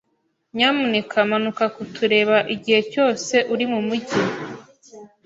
Nyamuneka manuka kutureba igihe cyose uri mumujyi.